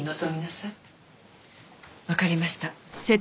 わかりました。